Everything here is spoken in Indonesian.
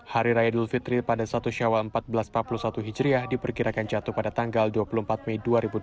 hari raya idul fitri pada satu syawal seribu empat ratus empat puluh satu hijriah diperkirakan jatuh pada tanggal dua puluh empat mei dua ribu dua puluh